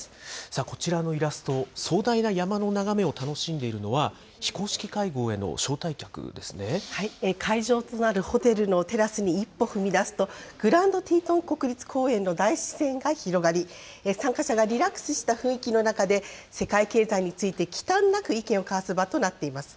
こちらのイラスト、壮大な山の眺めを楽しんでいるのは、非公式会会場となるホテルのテラスに一歩踏み出すと、グランドティートン国立公園の大自然が広がり、参加者がリラックスした雰囲気の中で、世界経済についてきたんなく意見を交わす場となっています。